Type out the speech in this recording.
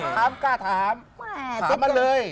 ถามกล้าถามถามมาเลย